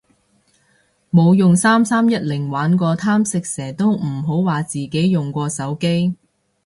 冇用三三一零玩過貪食蛇都唔好話自己用過手機